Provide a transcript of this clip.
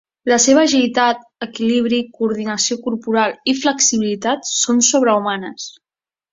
La seva agilitat, equilibri, coordinació corporal i flexibilitat són sobrehumanes.